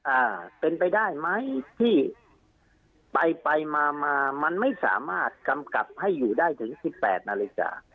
อ่าเป็นไปได้ไหมที่ไปไปมามามันไม่สามารถกำกับให้อยู่ได้ถึงสิบแปดนาฬิกา